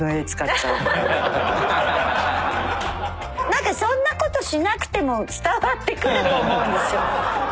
何かそんなことしなくても伝わってくると思うんですよ。